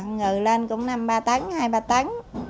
ngừ lên cũng năm ba tấn hai ba tấn